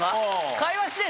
会話してる。